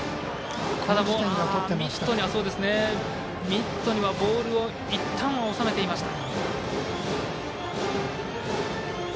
ミットにはボールをいったんは収めていました。